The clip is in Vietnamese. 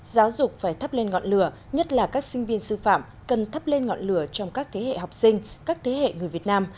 giáo dục phải thắp lên ngọn lửa nhất là các sinh viên sư phạm cần thắp lên ngọn lửa trong các thế hệ học sinh các thế hệ người việt nam